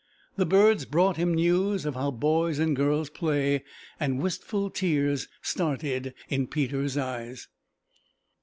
The birds brought him news of how boys and girls play, and wistful tears started in Peter's eyes.